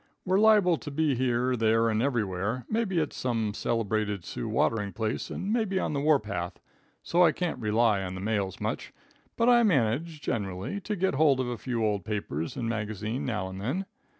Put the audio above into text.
We're liable to be here, there and everywhere, mebbe at some celebrated Sioux watering place and mebbe on the warpath, so I can't rely on the mails much, but I manage, generally, to get hold of a few old papers and magazines now and then.